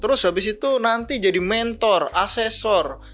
terus habis itu nanti jadi mentor asesor